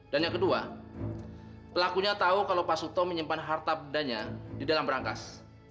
dan yang kedua pelakunya tahu kalau pak suto menyimpan harta pendannya di dalam berangkas